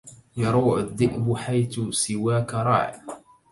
يروع الذئب حيث سواك راع